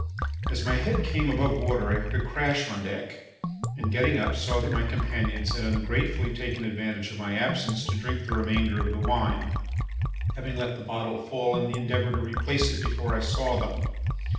As my head came above water I heard a crash on deck, and, upon getting up, saw that my companions had ungratefully taken advantage of my absence to drink the remainder of the wine, having let the bottle fall in the endeavour to replace it before I saw them.